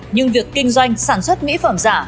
nhưng việc kinh doanh sản xuất mỹ phẩm giả